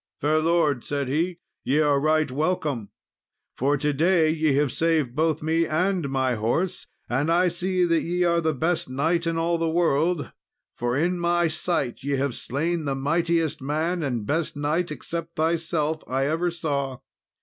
"Fair lord," said he, "ye are right welcome, for to day ye have saved both me and my horse; and I see that ye are the best knight in all the world, for in my sight have ye slain the mightiest man and the best knight, except thyself, I ever saw."